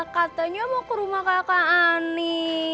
katanya mau ke rumah kakak ani